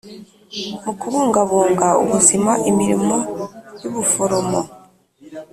Mu kubungabunga ubuzima imirimo y ubuforomo